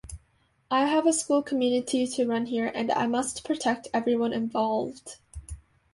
I have a school community to run here and I must protect everyone involved.